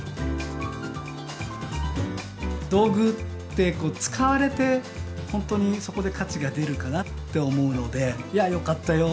道具って使われて本当にそこで価値が出るかなって思うので「いやよかったよ」